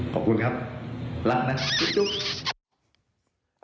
ขอบคุณครับลากนะจุ๊ปจุ๊ป